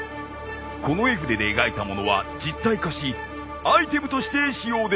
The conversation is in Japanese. この絵筆で描いたものは実体化しアイテムとして使用できる！